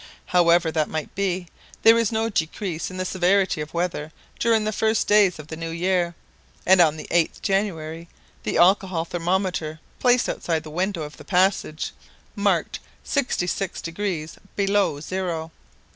However that might be, there was no decrease in the severity of the weather during the first days of the new year, and on the 8th January the alcohol thermometer placed outside the window of the passage marked 66° below zero.